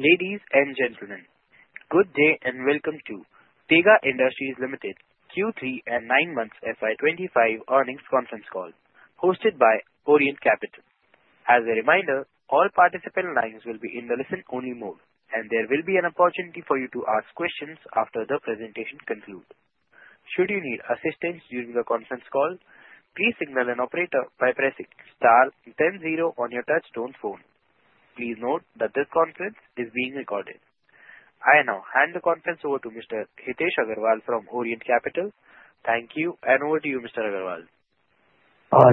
Ladies and gentlemen, good day and welcome to Tega Industries Limited Q3 and nine months FY'25 Earnings Conference Call, hosted by Orient Capital. As a reminder, all participant lines will be in the listen-only mode, and there will be an opportunity for you to ask questions after the presentation concludes. Should you need assistance during the conference call, please signal an operator by pressing star 10 zero on your touch-tone phone. Please note that this conference is being recorded. I now hand the conference over to Mr. Hitesh Agarwal from Orient Capital. Thank you, and over to you, Mr. Agarwal.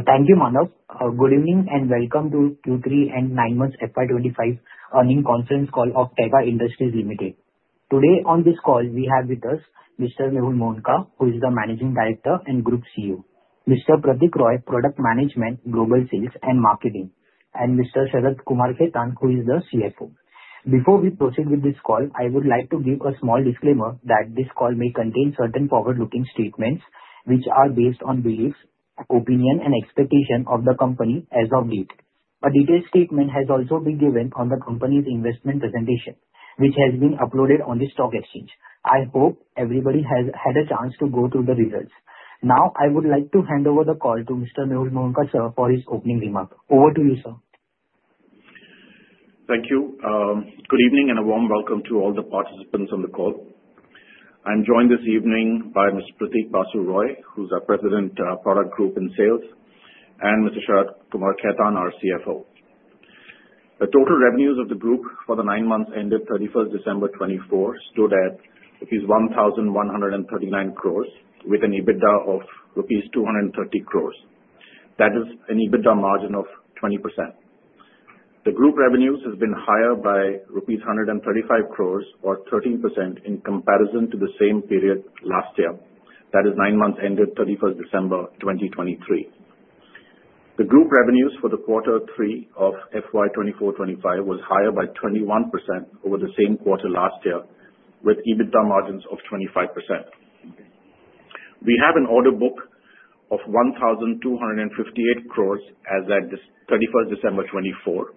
Thank you, Manav. Good evening and welcome to Q3 and nine Months FY 2025 Earnings Conference Call of Tega Industries Limited. Today on this call, we have with us Mr. Mehul Mohanka, who is the Managing Director and Group CEO, Mr. Pratik Roy, Product Management, Global Sales and Marketing, and Mr. Sharad Kumar Khaitan, who is the CFO. Before we proceed with this call, I would like to give a small disclaimer that this call may contain certain forward-looking statements which are based on beliefs, opinions, and expectations of the company as of date. A detailed statement has also been given on the company's investment presentation, which has been uploaded on the stock exchange. I hope everybody has had a chance to go through the results. Now, I would like to hand over the call to Mr. Mehul Mohanka, sir, for his opening remark. Over to you, sir. Thank you. Good evening and a warm welcome to all the participants on the call. I'm joined this evening by Mr. Pratik Basu Roy, who's our President, Product Group, and Sales, and Mr. Sharad Kumar Khaitan, our CFO. The total revenues of the group for the nine months ended 31st December 2024 stood at INR 1,139 crore with an EBITDA of INR 230 crore. That is an EBITDA margin of 20%. The group revenues have been higher by rupees 135 crore, or 13%, in comparison to the same period last year. That is nine months ended 31st December 2023. The group revenues for the Quarter 3 of FY 2024-2025 were higher by 21% over the same quarter last year, with EBITDA margins of 25%. We have an order book of 1,258 crore as at 31st December 2024,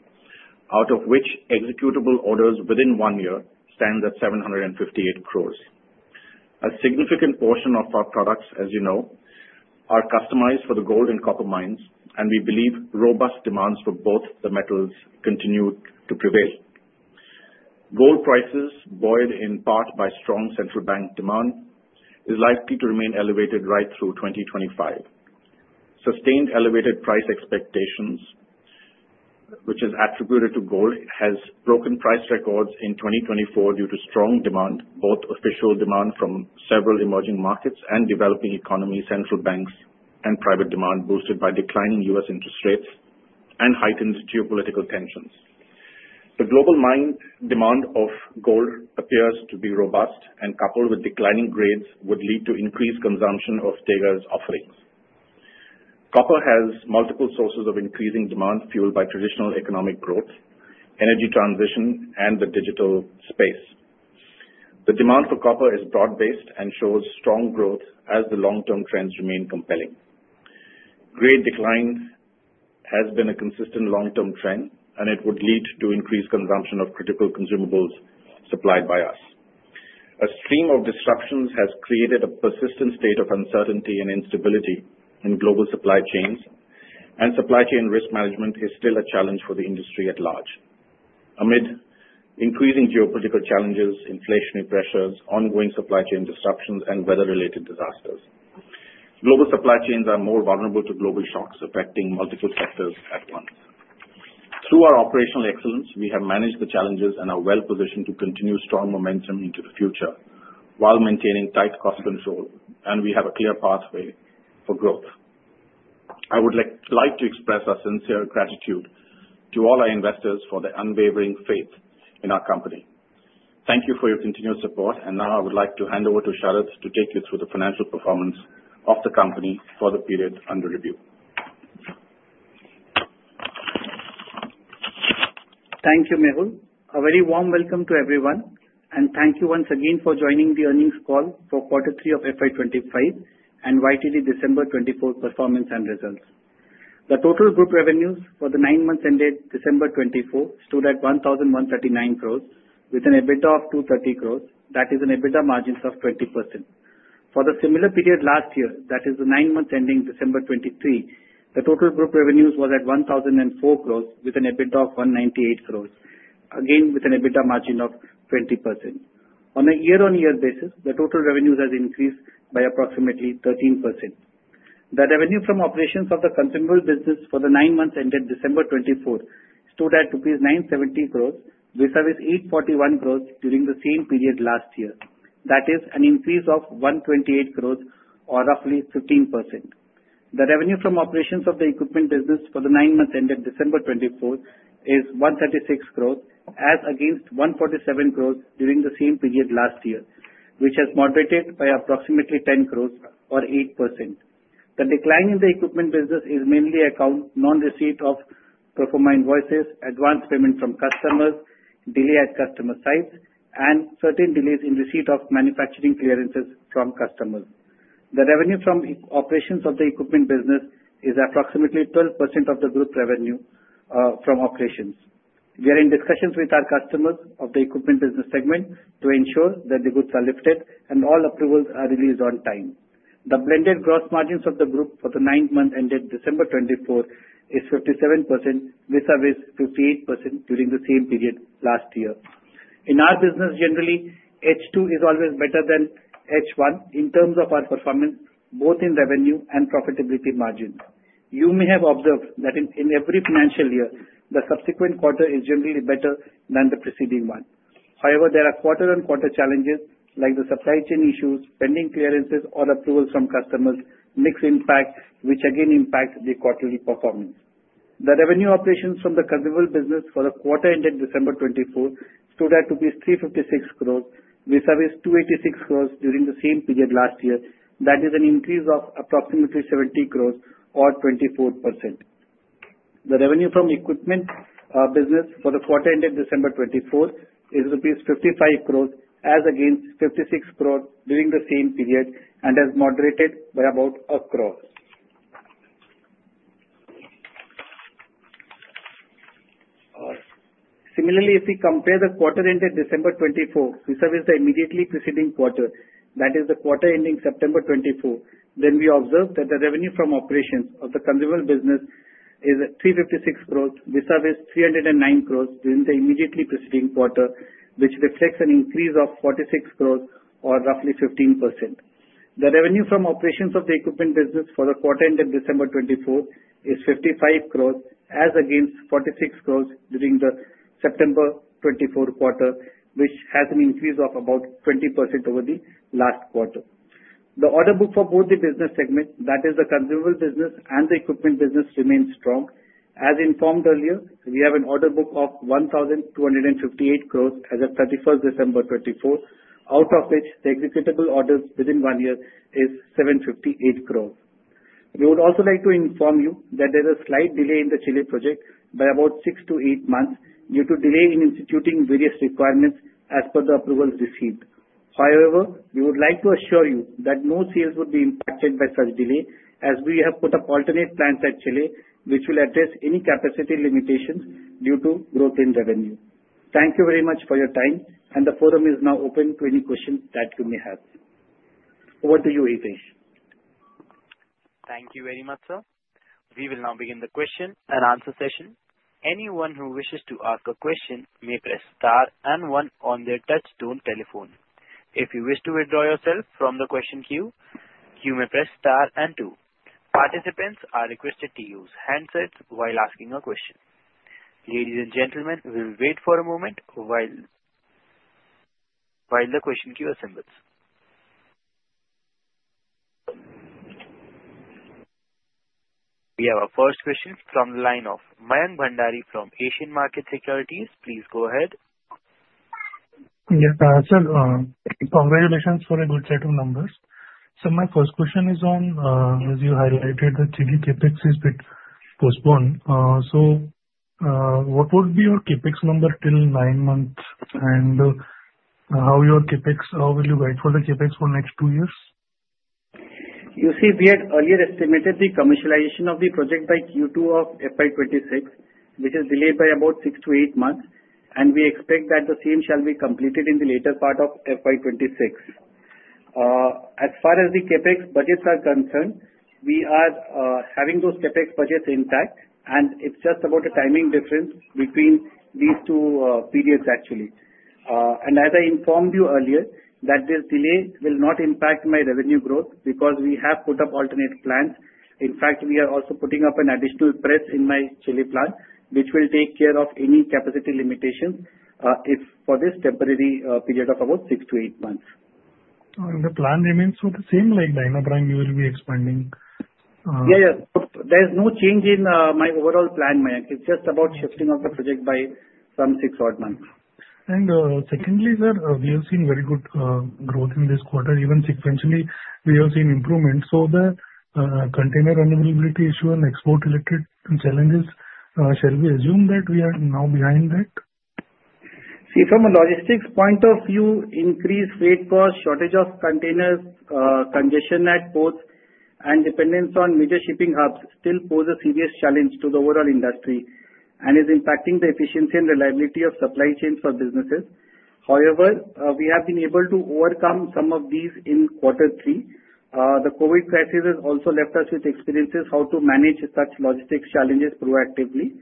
out of which executable orders within one year stand at 758 crore. A significant portion of our products, as you know, are customized for the gold and copper mines, and we believe robust demands for both the metals continue to prevail. Gold prices, buoyed in part by strong central bank demand, are likely to remain elevated right through 2025. Sustained elevated price expectations, which is attributed to gold, has broken price records in 2024 due to strong demand, both official demand from several emerging markets and developing economies, central banks, and private demand boosted by declining U.S. interest rates and heightened geopolitical tensions. The global demand of gold appears to be robust, and coupled with declining grades, would lead to increased consumption of Tega's offerings. Copper has multiple sources of increasing demand, fueled by traditional economic growth, energy transition, and the digital space. The demand for copper is broad-based and shows strong growth as the long-term trends remain compelling. Grade decline has been a consistent long-term trend, and it would lead to increased consumption of critical consumables supplied by us. A stream of disruptions has created a persistent state of uncertainty and instability in global supply chains, and supply chain risk management is still a challenge for the industry at large amid increasing geopolitical challenges, inflationary pressures, ongoing supply chain disruptions, and weather-related disasters. Global supply chains are more vulnerable to global shocks affecting multiple sectors at once. Through our operational excellence, we have managed the challenges and are well-positioned to continue strong momentum into the future while maintaining tight cost control, and we have a clear pathway for growth. I would like to express our sincere gratitude to all our investors for their unwavering faith in our company. Thank you for your continued support, and now I would like to hand over to Sharad to take you through the financial performance of the company for the period under review. Thank you, Mehul. A very warm welcome to everyone, and thank you once again for joining the earnings call for Quarter 3 of FY 2025 and YTD December 2024 performance and results. The total group revenues for the nine months ended December 2024 stood at 1,139 crore with an EBITDA of 230 crore. That is an EBITDA margin of 20%. For the similar period last year, that is the nine months ending December 2023, the total group revenues were at 1,004 crore with an EBITDA of 198 crore, again with an EBITDA margin of 20%. On a year-on-year basis, the total revenues have increased by approximately 13%. The revenue from operations of the consumable business for the nine months ended December 2024 stood at rupees 970 crore, which is 841 crore during the same period last year. That is an increase of 128 crore, or roughly 15%. The revenue from operations of the equipment business for the nine months ended December 2024 is 136 crore, as against 147 crore during the same period last year, which has moderated by approximately 10 crore, or 8%. The decline in the equipment business is mainly account non-receipt of pro forma invoices, advance payment from customers, delay at customer sites, and certain delays in receipt of manufacturing clearances from customers. The revenue from operations of the equipment business is approximately 12% of the group revenue from operations. We are in discussions with our customers of the equipment business segment to ensure that the goods are lifted and all approvals are released on time. The blended gross margins of the group for the nine months ended December 2024 is 57% vis-a-vis 58% during the same period last year. In our business, generally, H2 is always better than H1 in terms of our performance, both in revenue and profitability margins. You may have observed that in every financial year, the subsequent quarter is generally better than the preceding one. However, there are quarter-on-quarter challenges like the supply chain issues, pending clearances, or approvals from customers, mixed impact, which again impact the quarterly performance. The revenue operations from the consumable business for the quarter ended December 2024 stood at rupees 356 crore vis-a-vis 286 crore during the same period last year. That is an increase of approximately 70 crore, or 24%. The revenue from equipment business for the quarter ended December 2024 is rupees 55 crore, as against 56 crore during the same period, and has moderated by about 1 crore. Similarly, if we compare the quarter ended December 2024 vis-a-vis the immediately preceding quarter, that is the quarter ending September 2024, then we observe that the revenue from operations of the consumable business is 356 crore, which is 309 crore during the immediately preceding quarter, which reflects an increase of 46 crore, or roughly 15%. The revenue from operations of the equipment business for the quarter ended December 2024 is 55 crore, as against 46 crore during the September 2024 quarter, which has an increase of about 20% over the last quarter. The order book for both the business segments, that is the consumable business and the equipment business, remains strong. As informed earlier, we have an order book of 1,258 crore as of 31st December 2024, out of which the executable orders within one year is 758 crore. We would also like to inform you that there is a slight delay in the Chile project by about six to eight months due to delay in instituting various requirements as per the approvals received. However, we would like to assure you that no sales would be impacted by such delay, as we have put up alternate plants at Chile, which will address any capacity limitations due to growth in revenue. Thank you very much for your time, and the forum is now open to any questions that you may have. Over to you, Hitesh. Thank you very much, sir. We will now begin the question and answer session. Anyone who wishes to ask a question may press star and one on their touch-tone telephone. If you wish to withdraw yourself from the question queue, you may press star and two. Participants are requested to use handsets while asking a question. Ladies and gentlemen, we will wait for a moment while the question queue assembles. We have our first question from the line of Mayank Bhandari from Asian Markets Securities. Please go ahead. Yes, sir. Congratulations for a good set of numbers. So my first question is on, as you highlighted, the Chile capex is a bit postponed. So what would be your capex number till nine months, and how will you wait for the capex for the next two years? You see, we had earlier estimated the commercialization of the project by Q2 of FY 2026, which is delayed by about six to eight months, and we expect that the same shall be completed in the later part of FY 2026. As far as the Capex budgets are concerned, we are having those Capex budgets intact, and it's just about a timing difference between these two periods, actually, and as I informed you earlier, that this delay will not impact my revenue growth because we have put up alternate plants. In fact, we are also putting up an additional press in my Chile plant, which will take care of any capacity limitations for this temporary period of about six to eight months. And the plan remains the same like DynaPrime brand you will be expanding? Yeah, yeah. There's no change in my overall plan, Mayank. It's just about shifting of the project by some six-odd months. Secondly, sir, we have seen very good growth in this quarter. Even sequentially, we have seen improvement. The container availability issue and export-related challenges, shall we assume that we are now behind that? See, from a logistics point of view, increased freight costs, shortage of containers, congestion at ports, and dependence on major shipping hubs still pose a serious challenge to the overall industry and is impacting the efficiency and reliability of supply chains for businesses. However, we have been able to overcome some of these in Quarter three. The COVID crisis has also left us with experiences on how to manage such logistics challenges proactively,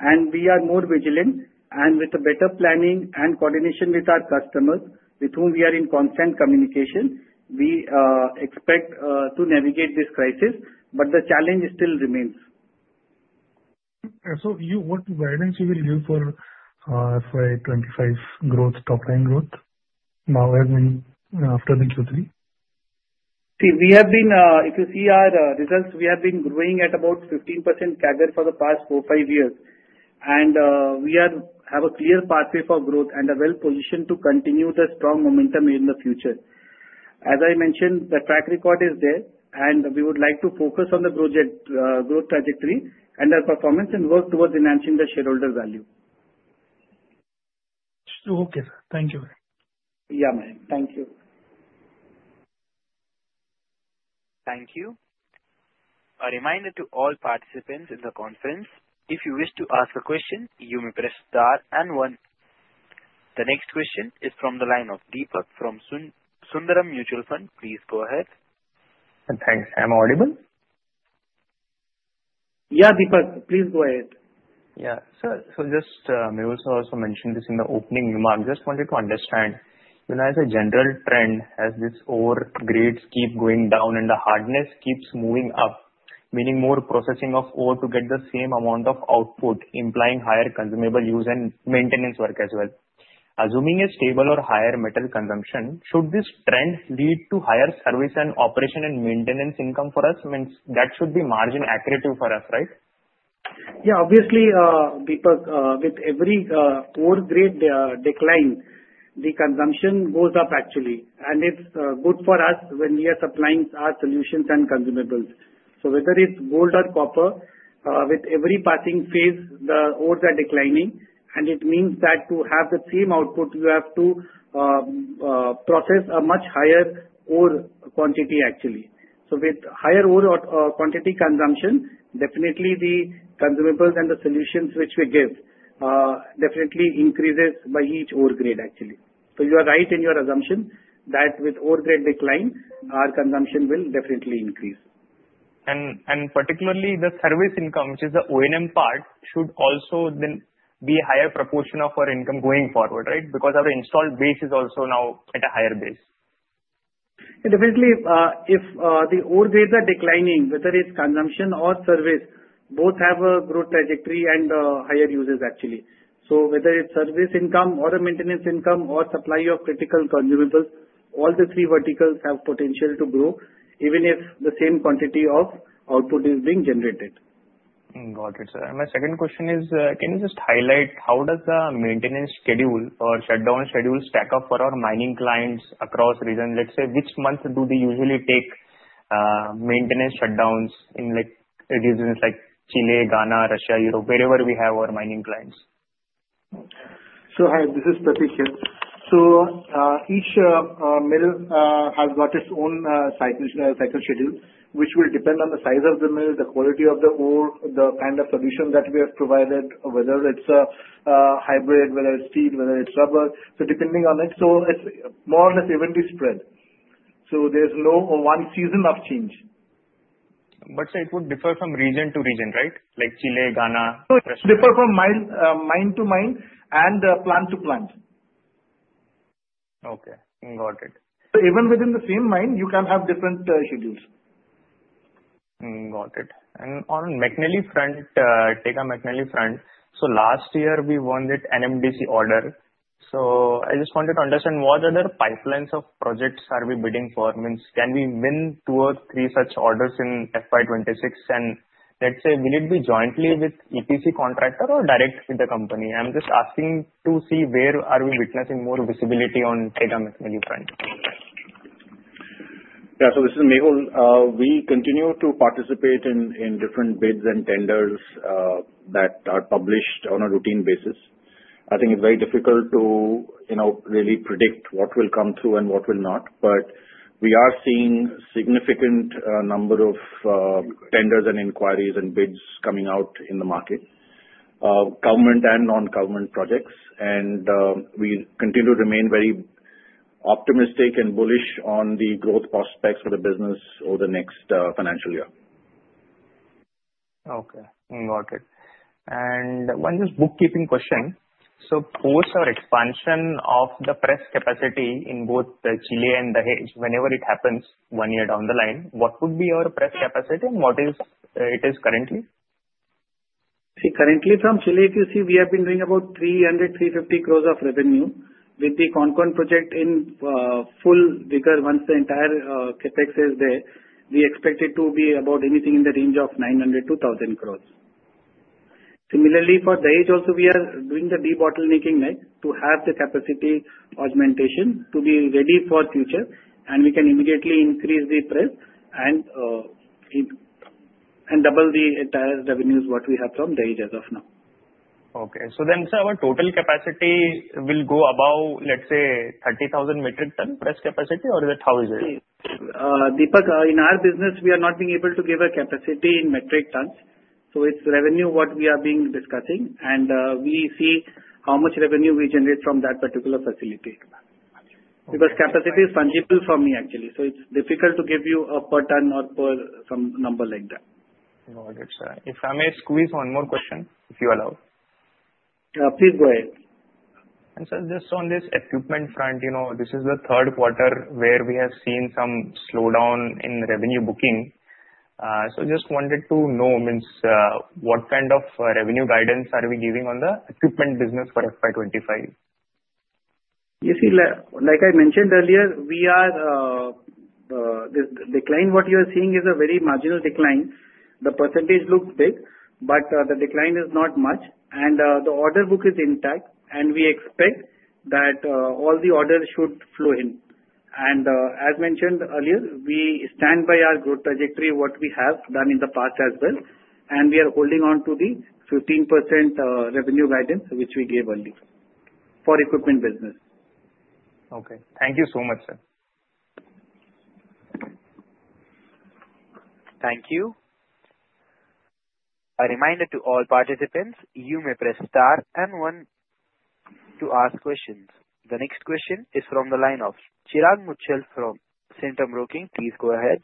and we are more vigilant, and with better planning and coordination with our customers, with whom we are in constant communication, we expect to navigate this crisis, but the challenge still remains. So, what guidance will you give for FY 2025 growth, top-line growth, now and after the Q3? See, we have been, if you see our results, we have been growing at about 15% CAGR for the past four- five years, and we have a clear pathway for growth and a well-positioned position to continue the strong momentum in the future. As I mentioned, the track record is there, and we would like to focus on the growth trajectory and our performance and work towards enhancing the shareholder value. Okay, sir. Thank you. Yeah, Mayank. Thank you. Thank you. A reminder to all participants in the conference, if you wish to ask a question, you may press star and one. The next question is from the line of Deepak from Sundaram Mutual Fund. Please go ahead. Thanks. Am I audible? Yeah, Deepak, please go ahead. Yeah. So just, Mehul, so I also mentioned this in the opening remark. I just wanted to understand, you know, as a general trend, as these ore grades keep going down and the hardness keeps moving up, meaning more processing of ore to get the same amount of output, implying higher consumable use and maintenance work as well. Assuming a stable or higher metal consumption, should this trend lead to higher service and operation and maintenance income for us? That should be margin accretive for us, right? Yeah, obviously, Deepak, with every ore grade decline, the consumption goes up, actually, and it's good for us when we are supplying our solutions and consumables. So whether it's gold or copper, with every passing phase, the ores are declining, and it means that to have the same output, you have to process a much higher ore quantity, actually. So with higher ore quantity consumption, definitely the consumables and the solutions which we give definitely increases by each ore grade, actually. So you are right in your assumption that with ore grade decline, our consumption will definitely increase. And particularly, the service income, which is the O&M part, should also then be a higher proportion of our income going forward, right? Because our installed base is also now at a higher base. Definitely, if the ore grades are declining, whether it's consumption or service, both have a growth trajectory and higher uses, actually. So whether it's service income or maintenance income or supply of critical consumables, all the three verticals have potential to grow, even if the same quantity of output is being generated. Got it, sir. And my second question is, can you just highlight how does the maintenance schedule or shutdown schedule stack up for our mining clients across regions? Let's say, which month do they usually take maintenance shutdowns in regions like Chile, Ghana, Russia, Europe, wherever we have our mining plants? So hi, this is Pratik here. So each mill has got its own cycle schedule, which will depend on the size of the mill, the quality of the ore, the kind of solution that we have provided, whether it's a hybrid, whether it's steel, whether it's rubber. So depending on it, so it's more or less evenly spread. So there's no one season of change. But it would differ from region to region, right? Like Chile, Ghana, Russia?. Differ from mine to mine and plant to plant. Okay. Got it. Even within the same mine, you can have different schedules. Got it. And on McNally front, Tega McNally front, so last year we won that NMDC order. So I just wanted to understand what other pipelines of projects are we bidding for? Means, can we win two or three such orders in FY 2026? And let's say, will it be jointly with EPC contractor or direct with the company? I'm just asking to see where are we witnessing more visibility on Tega McNally front. Yeah, so this is Mehul. We continue to participate in different bids and tenders that are published on a routine basis. I think it's very difficult to really predict what will come through and what will not, but we are seeing a significant number of tenders and inquiries and bids coming out in the market, government and non-government projects, and we continue to remain very optimistic and bullish on the growth prospects for the business over the next financial year. Okay. Got it. And one just bookkeeping question. So post our expansion of the press capacity in both the Chile and the Dahej, whenever it happens one year down the line, what would be our press capacity and what is it currently? See, currently from Chile, if you see, we have been doing about 300 crore - 350 crore of revenue with the Concón project in full vigor. Once the entire capex is there, we expect it to be about anything in the range of 900 crore - 1,000 crore. Similarly, for the Dahej, also we are doing the de-bottlenecking to have the capacity augmentation to be ready for the future, and we can immediately increase the press and double the entire revenues what we have from the Dahej as of now. Okay. So then, sir, our total capacity will go above, let's say, 30,000 metric tons press capacity, or is it how is it? Deepak, in our business, we are not being able to give a capacity in metric tons. So it's revenue what we are being discussing, and we see how much revenue we generate from that particular facility. Because capacity is fungible for me, actually, so it's difficult to give you a per ton or some number like that. Got it, sir. If I may squeeze one more question, if you allow. Please go ahead. And sir, just on this equipment front, this is the third quarter where we have seen some slowdown in revenue booking. So just wanted to know what kind of revenue guidance are we giving on the equipment business for FY 2025? You see, like I mentioned earlier, we are seeing the decline what you are seeing is a very marginal decline. The percentage looks big, but the decline is not much, and the order book is intact, and we expect that all the orders should flow in. As mentioned earlier, we stand by our growth trajectory, what we have done in the past as well, and we are holding on to the 15% revenue guidance which we gave earlier for equipment business. Okay. Thank you so much, sir. Thank you. A reminder to all participants, you may press star and one to ask questions. The next question is from the line of Chirag Muchhala from Centrum Broking. Please go ahead.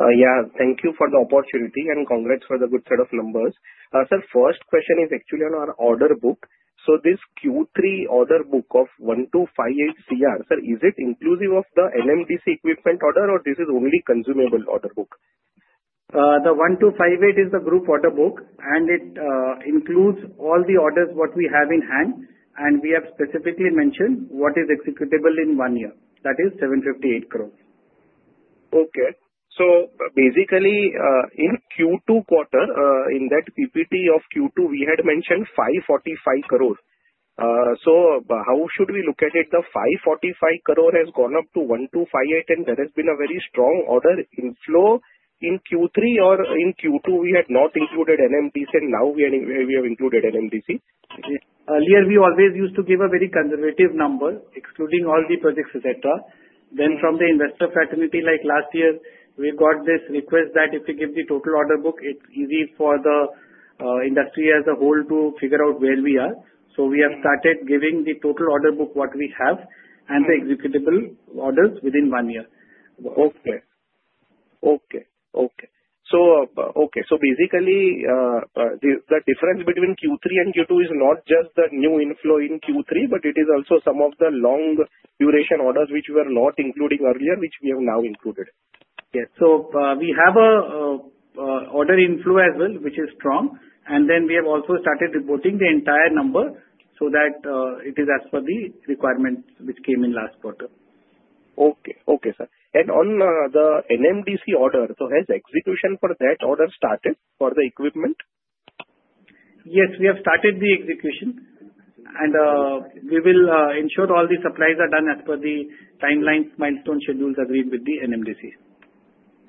Yeah, thank you for the opportunity and congrats for the good set of numbers. Sir, first question is actually on our order book. So this Q3 order book of 1,258 crore, sir, is it inclusive of the NMDC equipment order, or this is only consumable order book? The 1,258 crore is the group order book, and it includes all the orders what we have in hand, and we have specifically mentioned what is executable in one year. That is 758 crore. Okay. So basically, in Q2 quarter, in that PPT of Q2, we had mentioned 545 crore. So how should we look at it? The 545 crore has gone up to 1,258 crore, and there has been a very strong order inflow in Q3, or in Q2, we had not included NMDC, and now we have included NMDC. Earlier, we always used to give a very conservative number, excluding all the projects, etc. Then from the investor fraternity, like last year, we got this request that if we give the total order book, it's easy for the industry as a whole to figure out where we are. So we have started giving the total order book what we have and the executable orders within one year. Okay. So basically, the difference between Q3 and Q2 is not just the new inflow in Q3, but it is also some of the long-duration orders which we were not including earlier, which we have now included. Yes. So we have an order inflow as well, which is strong, and then we have also started reporting the entire number so that it is as per the requirement which came in last quarter. Okay. Okay, sir. And on the NMDC order, so has execution for that order started for the equipment? Yes, we have started the execution, and we will ensure all the supplies are done as per the timeline milestone schedules agreed with the NMDC.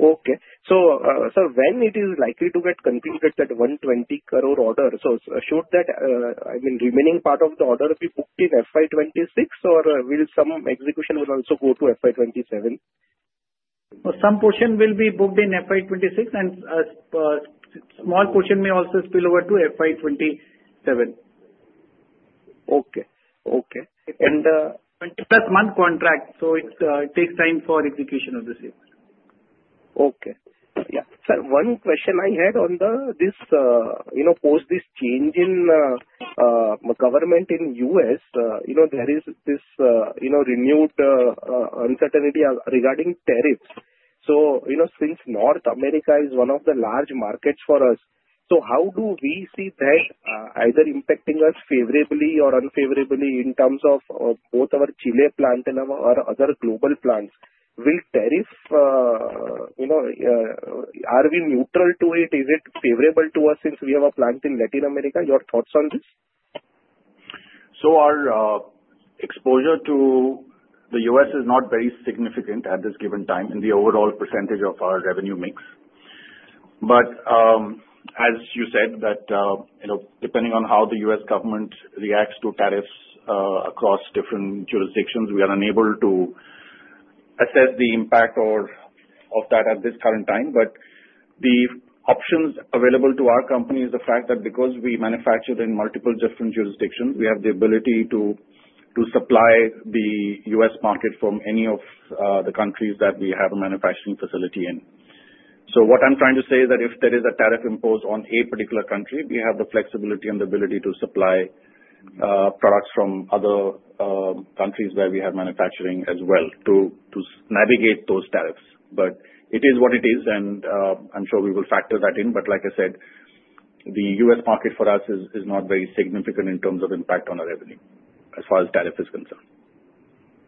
Okay. So sir, when is it likely to get completed, that 120 crore order? So should that, I mean, remaining part of the order be booked in FY 2026, or will some execution also go to FY 2027? Some portion will be booked in FY 2026, and a small portion may also spill over to FY 2027. Okay. it's 20 plus month contract. So it takes time for execution of the shipment. Sir, one question I had on this, post this change in government in the U.S., there is this renewed uncertainty regarding tariffs. So since North America is one of the large markets for us, so how do we see that either impacting us favorably or unfavorably in terms of both our Chile plant and our other global plants? Will tariff, are we neutral to it? Is it favorable to us since we have a plant in Latin America? Your thoughts on this? So our exposure to the U.S. is not very significant at this given time in the overall percentage of our revenue mix. But as you said, that depending on how the U.S. government reacts to tariffs across different jurisdictions, we are unable to assess the impact of that at this current time. But the options available to our company is the fact that because we manufacture in multiple different jurisdictions, we have the ability to supply the U.S. market from any of the countries that we have a manufacturing facility in. So what I'm trying to say is that if there is a tariff imposed on a particular country, we have the flexibility and the ability to supply products from other countries where we have manufacturing as well to navigate those tariffs. But it is what it is, and I'm sure we will factor that in. But like I said, the U.S. market for us is not very significant in terms of impact on our revenue as far as tariff is concerned.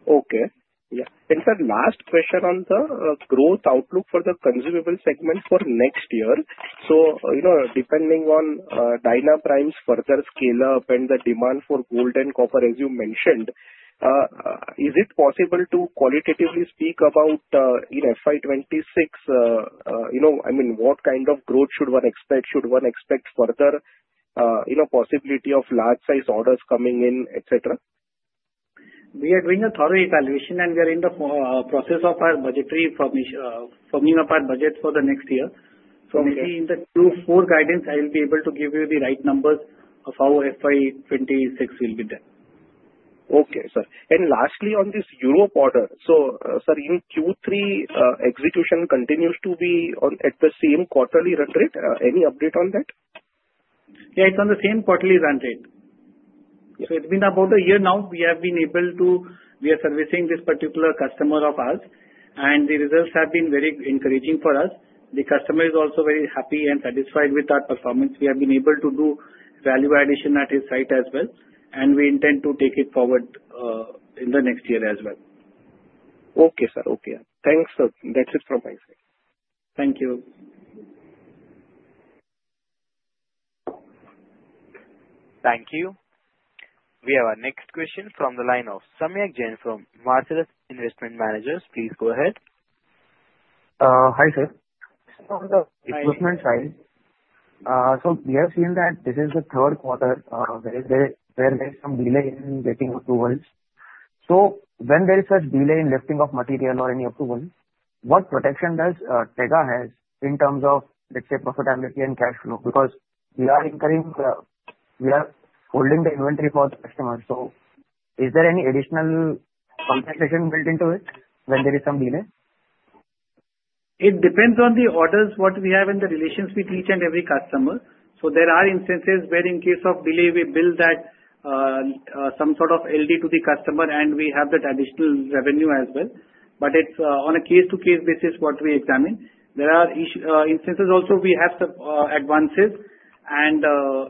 Okay. Yeah. And sir, last question on the growth outlook for the consumable segment for next year. So depending on DynaPrime's further scale up and the demand for gold and copper, as you mentioned, is it possible to qualitatively speak about in FY 2026, I mean, what kind of growth should one expect? Should one expect further possibility of large-size orders coming in, etc.? We are doing a thorough evaluation, and we are in the process of forming up our budget for the next year. So maybe in the Q4 guidance, I will be able to give you the right numbers of how FY 2026 will be there. Okay, sir, and lastly, on this Europe order, so sir, in Q3, execution continues to be at the same quarterly run rate. Any update on that? Yeah, it's on the same quarterly run rate. So it's been about a year now that we have been servicing this particular customer of ours, and the results have been very encouraging for us. The customer is also very happy and satisfied with our performance. We have been able to do value addition at his site as well, and we intend to take it forward in the next year as well. Okay, sir. Okay. Thanks, sir. That's it from my side. Thank you. Thank you. We have our next question from the line of Samyak Jain from Marcellus Investment Managers. Please go ahead. Hi, sir. Equipment side, so we have seen that this is the third quarter where there is some delay in getting approvals. So when there is such delay in lifting of material or any approval, what protection does Tega have in terms of, let's say, profitability and cash flow? Because we are incurring the, we are holding the inventory for the customers. So is there any additional compensation built into it when there is some delay? It depends on the orders what we have and the relations with each and every customer. So there are instances where, in case of delay, we build some sort of LD to the customer, and we have that additional revenue as well. But it's on a case-to-case basis what we examine. There are instances also we have advances, and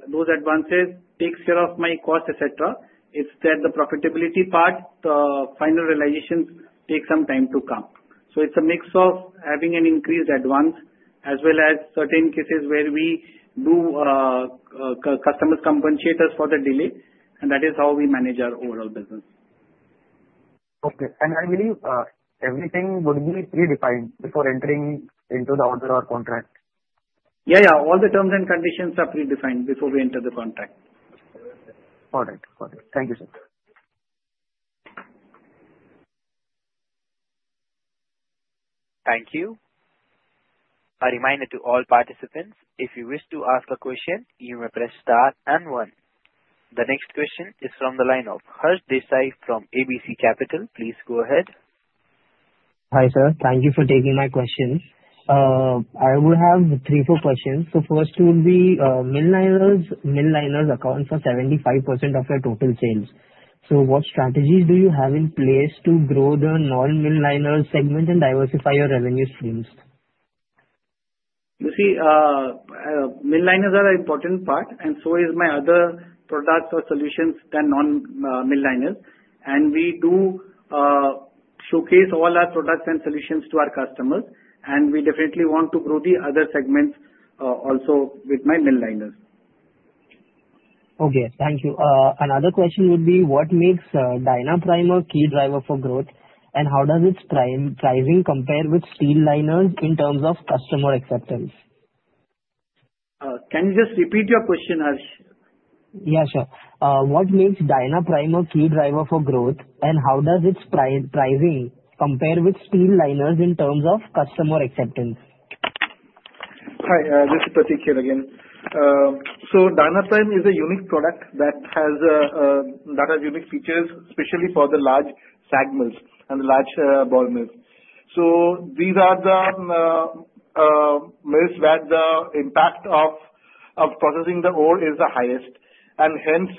those advances take care of my cost, etc. It's that the profitability part, the final realizations take some time to come. So it's a mix of having an increased advance as well as certain cases where we do customers compensate us for the delay, and that is how we manage our overall business. Okay. And I believe everything would be predefined before entering into the order or contract? Yeah, yeah. All the terms and conditions are predefined before we enter the contract. All right. All right. Thank you, sir. Thank you. A reminder to all participants, if you wish to ask a question, you may press star and one. The next question is from the line of Harsh Desai from ABC Capital. Please go ahead. Hi, sir. Thank you for taking my question. I will have three or four questions. So first would be mill liners, mill liners account for 75% of your total sales. So what strategies do you have in place to grow the non-mill liner segment and diversify your revenue streams? You see, mill liners are an important part, and so are our other products or solutions, the non-mill liners. We do showcase all our products and solutions to our customers, and we definitely want to grow the other segments also with our mill liners. Okay. Thank you. Another question would be, what makes DynaPrime a key driver for growth, and how does its pricing compare with steel liners in terms of customer acceptance? Can you just repeat your question, Harsh? Yeah, sure. What makes DynaPrime a key driver for growth, and how does its pricing compare with steel liners in terms of customer acceptance? Hi, this is Pratik here again. So DynaPrime is a unique product that has unique features, especially for the large SAG mills and the large ball mills. These are the mills where the impact of processing the ore is the highest. Hence,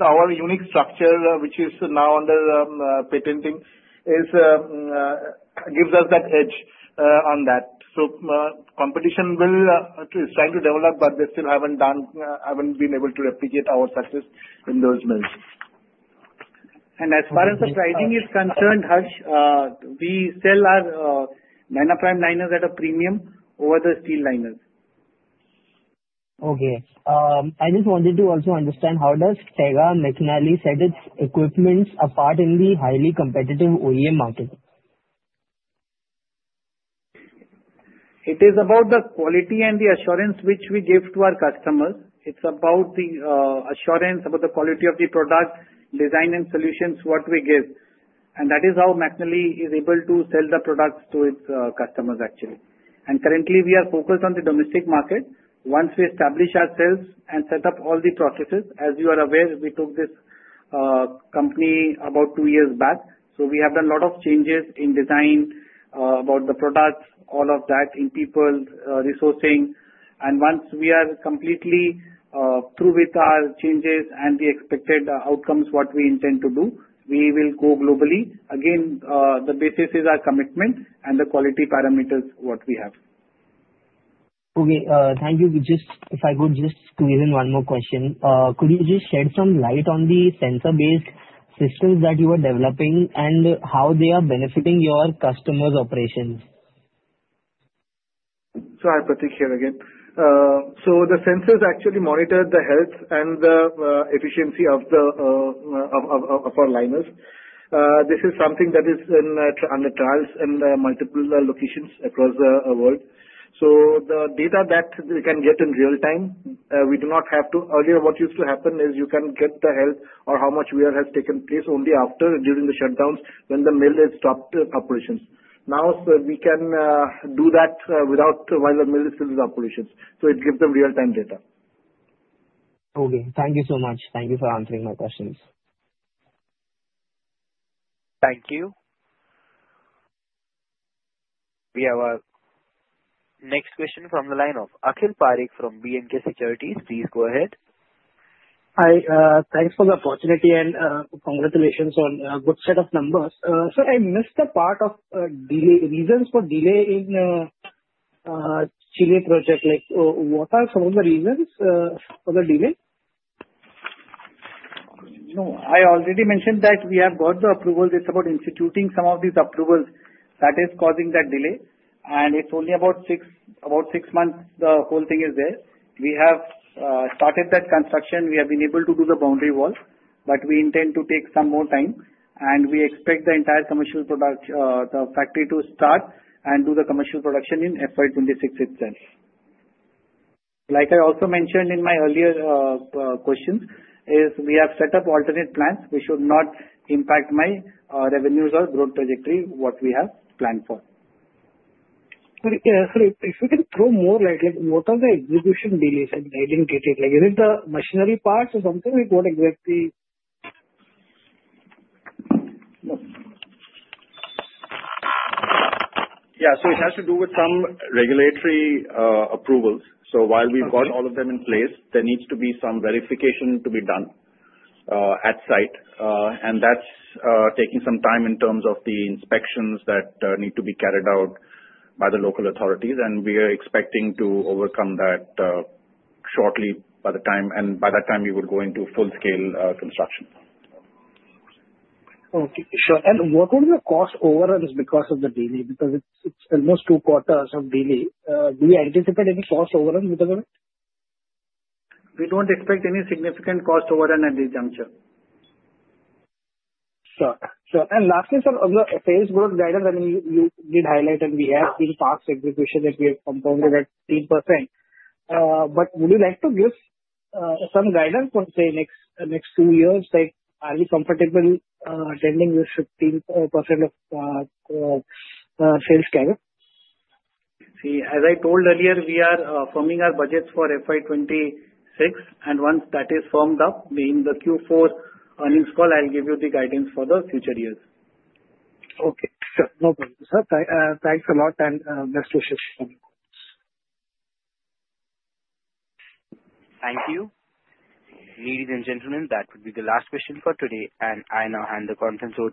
our unique structure, which is now under patenting, gives us that edge on that. competition is trying to develop, but they still haven't been able to replicate our success in those mills. As far as the pricing is concerned, Harsh, we sell our DynaPrime liners at a premium over the steel liners. Okay. I just wanted to also understand how does Tega McNally set its equipment apart in the highly competitive OEM market? It is about the quality and the assurance which we give to our customers. It's about the assurance, about the quality of the product, design, and solutions what we give. And that is how McNally is able to sell the products to its customers, actually. And currently, we are focused on the domestic market. Once we establish ourselves and set up all the processes, as you are aware, we took this company about two years back. So we have done a lot of changes in design, about the products, all of that in people resourcing. And once we are completely through with our changes and the expected outcomes what we intend to do, we will go globally. Again, the basis is our commitment and the quality parameters what we have. Okay. Thank you. If I could just squeeze in one more question, could you just shed some light on the sensor-based systems that you are developing and how they are benefiting your customers' operations? Pratik here again. The sensors actually monitor the health and the efficiency of our liners. This is something that is under trials in multiple locations across the world. The data that we can get in real time, we do not have to earlier. What used to happen is you can get the health or how much wear has taken place only after during the shutdowns when the mill has stopped operations. Now, we can do that while the mill is still in operations. It gives them real-time data. Okay. Thank you so much. Thank you for answering my questions. Thank you. We have a next question from the line of Akhil Parekh from B&K Securities. Please go ahead. Hi. Thanks for the opportunity and congratulations on a good set of numbers. Sir, I missed the part of reasons for delay in Chile project. What are some of the reasons for the delay? I already mentioned that we have got the approval. It's about instituting some of these approvals that is causing that delay, and it's only about six months the whole thing is there. We have started that construction. We have been able to do the boundary wall, but we intend to take some more time, and we expect the entire commercial product, the factory, to start and do the commercial production in FY 2026 itself, like I also mentioned in my earlier questions. We have set up alternate plans which should not impact my revenues or growth trajectory, what we have planned for. Sorry, if we can throw more light, what are the execution delays? I didn't get it. Is it the machinery parts or something? What exactly? Yeah. So it has to do with some regulatory approvals. So while we've got all of them in place, there needs to be some verification to be done at site. And that's taking some time in terms of the inspections that need to be carried out by the local authorities. And we are expecting to overcome that shortly by the time, and by that time, we will go into full-scale construction. Okay. Sure. And what would be the cost overruns because of the delay? Because it's almost two quarters of delay. Do you anticipate any cost overruns because of it? We don't expect any significant cost overrun at this juncture. Sure. And lastly, sir, on the sales growth guidance, I mean, you did highlight, and based on past execution, we have compounded at 15%. But would you like to give some guidance for, say, next two years, like, are we comfortable maintaining this 15% sales CAGR? See, as I told earlier, we are forming our budgets for FY2026, and once that is formed up, in the Q4 earnings call, I'll give you the guidance for the future years. Okay. Sure. No problem. Sir, thanks a lot, and best wishes. Thank you. Ladies and gentlemen, that would be the last question for today. And I now hand the conference over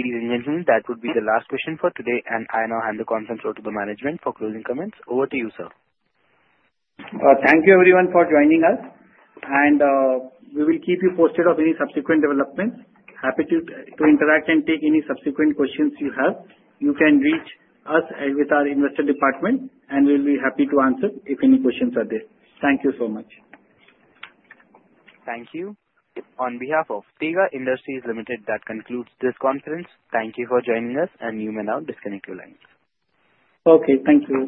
to the management for closing comments. Over to you, sir. Thank you, everyone, for joining us, and we will keep you posted of any subsequent developments. Happy to interact and take any subsequent questions you have. You can reach us with our investor department, and we'll be happy to answer if any questions are there. Thank you so much. Thank you. On behalf of Tega Industries Limited, that concludes this conference. Thank you for joining us, and you may now disconnect your lines. Okay. Thank you.